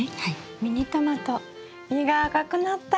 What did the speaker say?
ミニトマト実が赤くなったんですよ。